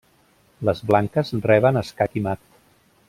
Les blanques reben escac i mat.